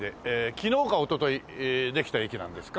昨日かおとといできた駅なんですか？